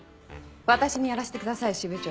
私にやらせてください支部長。